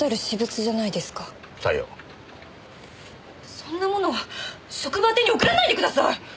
そんなものを職場宛てに送らないでください！